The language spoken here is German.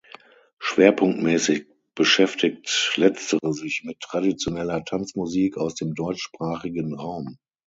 Schwerpunktmäßig beschäftigt letztere sich mit traditioneller Tanzmusik aus dem deutschsprachigen Raum.